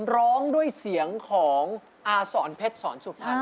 ร้องด้วยเสียงของอาสรเพชรศรสุภัณฑ์